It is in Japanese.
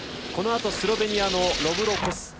このあとスロベニアのロブロ・コス。